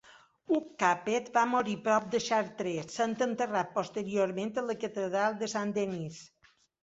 Hug Capet va morir prop de Chartres, sent enterrat posteriorment a la catedral de Saint-Denis.